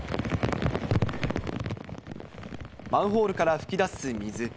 マンホールから噴き出す水。